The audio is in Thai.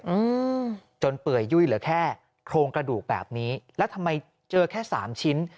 อืมจนเปื่อยยุ่ยเหลือแค่โครงกระดูกแบบนี้แล้วทำไมเจอแค่สามชิ้น